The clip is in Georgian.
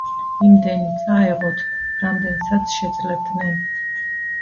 იმდენი წაეღოთ, რამდენსაც შეძლებდნენ.